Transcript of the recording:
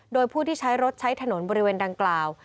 โดยผู้ที่ใช้รถใช้ถนนบริเวณดังกล่าว